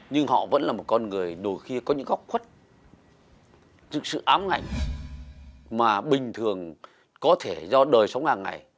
nhưng họ vẫn là một con người đôi khi có những góc khuất những sự ám ảnh mà bình thường có thể do đời sống hàng ngày